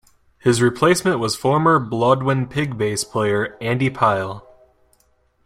His replacement was former Blodwyn Pig bass player Andy Pyle.